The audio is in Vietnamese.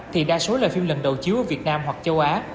thì đa số là phim lần đầu chiếu ở việt nam hoặc châu á